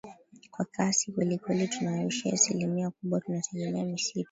kwa kasi kwelikweli tunayoishi asilimia kubwa tunategemea misitu